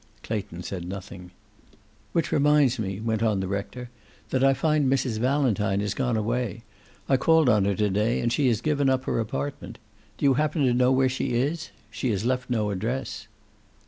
Clayton said nothing. "Which reminds me," went on the rector, "that I find Mrs. Valentine has gone away. I called on her to day, and she has given up her apartment. Do you happen to know where she is? She has left no address."